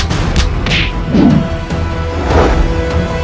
kau tidak bisa menang